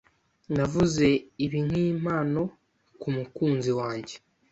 Naguze ibi nkimpano kumukunzi wanjye.